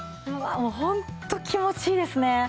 本当気持ちいいですね。